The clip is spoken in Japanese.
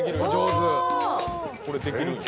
これできるんや。